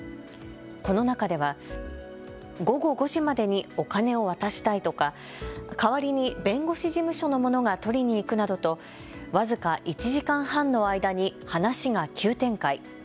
この中では、午後５時までにお金を渡したいとか代わりに弁護士事務所の者が取りに行くなどと僅か１時間半の間に話が急展開。